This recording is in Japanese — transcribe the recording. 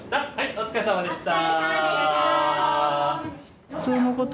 お疲れさまでした！